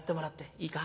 いいか。